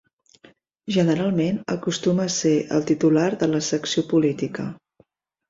Generalment acostuma a ser el titular de la secció política.